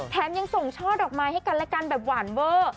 ยังส่งช่อดอกไม้ให้กันและกันแบบหวานเวอร์